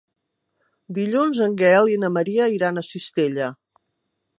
Dilluns en Gaël i na Maria iran a Cistella.